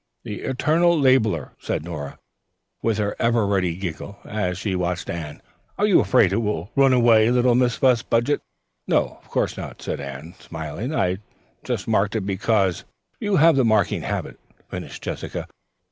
"The eternal labeler," said Nora, with her ever ready giggle, as she watched Anne. "Are you afraid it will run away, little Miss Fussbudget!" "No; of course not," said Anne, smiling. "I just marked it because " "You have the marking habit," finished Jessica.